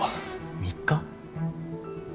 ３日？